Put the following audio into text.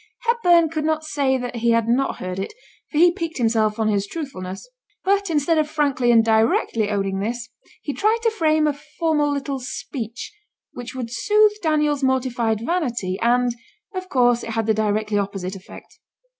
Hepburn could not say that he had not heard it, for he piqued himself on his truthfulness. But instead of frankly and directly owning this, he tried to frame a formal little speech, which would soothe Daniel's mortified vanity; and, of course, it had the directly opposite effect.